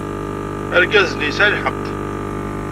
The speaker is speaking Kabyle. Argaz-nni yesɛa lḥeqq.